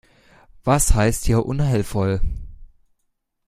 Was heißt hier unheilvoll?